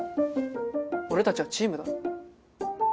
俺たちはチームだろ？